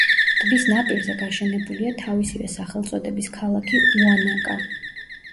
ტბის ნაპირზე გაშენებულია თავისივე სახელწოდების ქალაქი უანაკა.